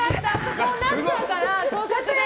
こうなっちゃうから合格で。